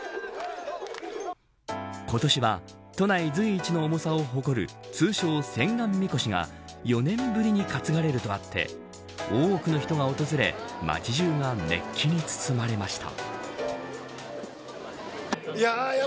今年は都内随一の重さを誇る通称千貫神輿が４年ぶりに担がれるとあって多くの人が訪れ街中が熱気に包まれました。